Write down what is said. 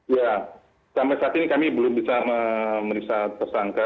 iya sampai saat ini kami belum bisa merisa tersangka